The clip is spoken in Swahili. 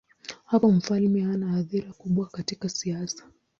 Hapo mfalme hana athira kubwa katika siasa.